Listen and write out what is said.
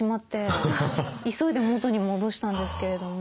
急いで元に戻したんですけれども。